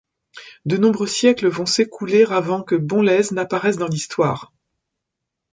De nombreux siècles vont s’écouler avant que Bonlez n’apparaisse dans l’histoire.